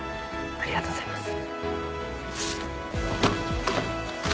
ありがとうございます。